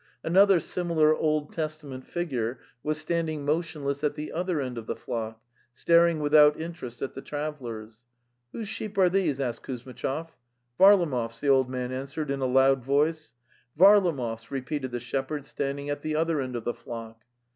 Another similar Old Testament figure was standing motionless at the other end of the flock, staring without interest at the travellers. '* Whose sheep are these? '' asked Kuzmitchov. '" Varlamov's," the old man answered in a loud voice. '""Varlamov's,"' repeated the shepherd standing act the other end of the flock.